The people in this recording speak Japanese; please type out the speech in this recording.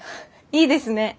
いいですね。